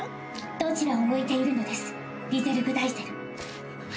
どちらを向いているのですリゼルグ・ダイゼル。